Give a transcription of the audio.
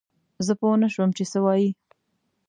زه پوه نه شوم چې څه وايي؟